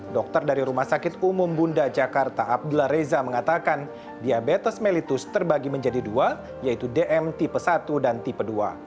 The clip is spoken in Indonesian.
dokter dari rumah sakit umum bunda jakarta abdullah reza mengatakan diabetes mellitus terbagi menjadi dua yaitu dm tipe satu dan tipe dua